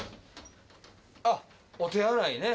あっお手洗いね。